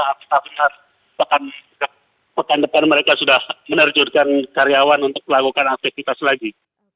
apakah benar pekan depan mereka sudah menerjunkan karyawan untuk melakukan aktivitas lagi